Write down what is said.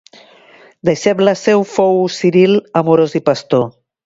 Deixeble seu fou Ciril Amorós i Pastor.